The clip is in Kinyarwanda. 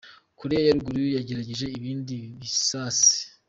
Korea ya ruguru yagerageje ibindi bisase.